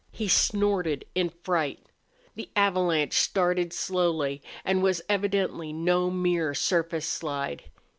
He snorted in fright. The avalanche started slowly and was evidently no mere surface slide.